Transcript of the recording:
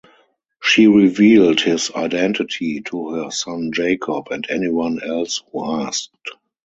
She revealed his identity to her son Jacob and anyone else who asked.